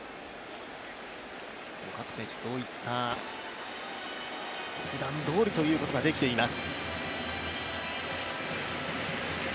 各選手、そういったふだんどおりということができています。